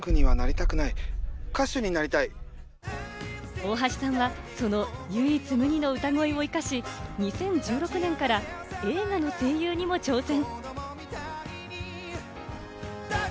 大橋さんはその唯一無二の歌声を生かし、２０１６年から映画に声優にも挑戦。